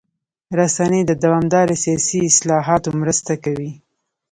رسنۍ د دوامداره سیاسي اصلاحاتو مرسته کوي.